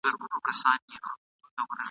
په یوه غوجل کي دواړه اوسېدله ..